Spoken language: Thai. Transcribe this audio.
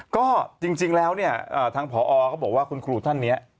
ก็จริงแล้วเนี่ยทางผอก็บอกว่าคุณครูท่านนี้